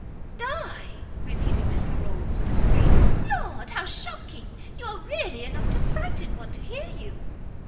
"Die!" repeated Miss Larolles, with a scream, "Lord, how shocking! You are really enough to frighten one to hear you."